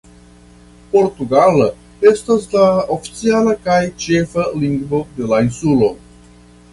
Portugala estas la oficiala kaj ĉefa lingvo de la insulo.